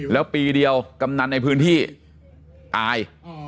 แล้วปีเดียวกำนันในพื้นที่อาย